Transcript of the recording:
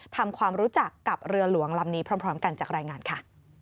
ทำความรู้จักกับเรือหลวงลำนี้พร้อมกันจากรายงานค่ะ